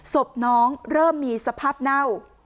ศพน้องเริ่มมีสภาพเน่า